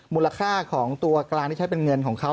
มูลค่าของตัวกลางที่ใช้เป็นเงินของเขา